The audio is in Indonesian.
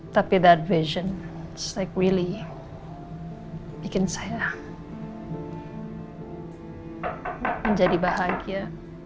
tapi itu adalah visi yang membuat saya menjadi bahagia